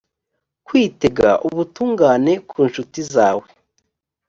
kwitega ubutungane ku ncuti zawe